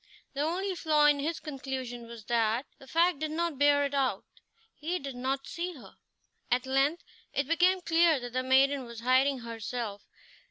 The only flaw in his conclusion was that the fact did not bear it out; he did not see her. At length it became clear that the maiden was hiding herself.